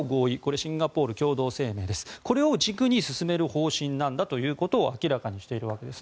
シンガポール共同声明ですがこれを軸に進める方針なんだということを明らかにしています。